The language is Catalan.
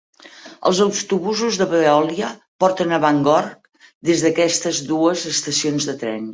Els autobusos de Veolia porten a Bangor des d'aquestes dues estacions de tren.